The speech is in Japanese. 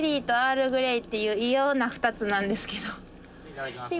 いただきます！